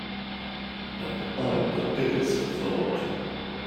And I'm the biggest of the lot.